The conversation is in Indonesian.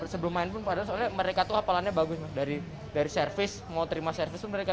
sebelumnya pun pada soalnya mereka tuh apelannya bagus dari dari service mau terima service mereka